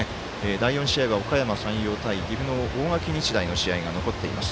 第４試合はおかやま山陽と岐阜の大垣日大の試合が残っています。